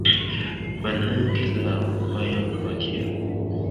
Bannankizo abo bayamba batya?